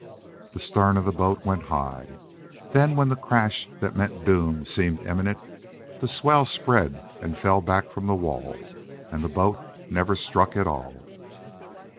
The stern of the boat went high. Then when the crash that meant doom seemed imminent the swell spread and fell back from the wall and the boat never struck at all.